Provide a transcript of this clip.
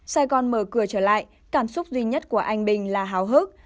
sài gòn mở cửa trở lại cảm xúc duy nhất của anh bình là hào hức